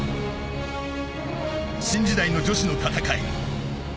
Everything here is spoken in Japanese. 新時代の女子の戦い